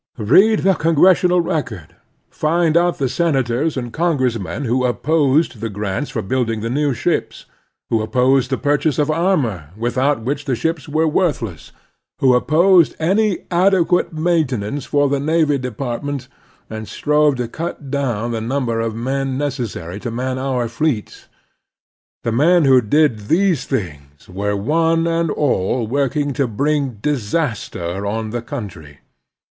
Read the "Congres sional Record." Find out the senators and con gressmen who opposed the grants for building the new ships; who opposed the purchase of armor, without which the ships were worthless; who opposed any adequate maintenance for the Navy Department, and strove to cut down the niunber of men necessary to man our fleets. The men who did these things were one and all working to bring disaster on the cotmtry.